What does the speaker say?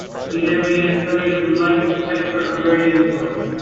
He later began a study of the light spectra of radio sources.